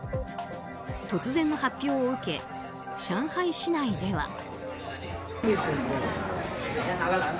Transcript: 突然の発表を受け上海市内では。